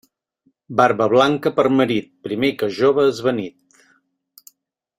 Barba blanca per marit, primer que jove esvanit.